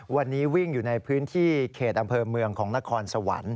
วันนี้วิ่งอยู่ในพื้นที่เขตอำเภอเมืองของนครสวรรค์